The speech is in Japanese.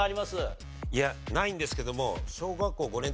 いやないんですけども。